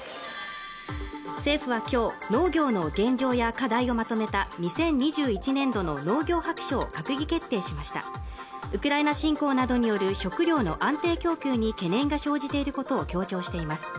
政府はきょう農業の現状や課題をまとめた２０２１年度の農業白書を閣議決定しましたウクライナ侵攻などによる食料の安定供給に懸念が生じていることを強調しています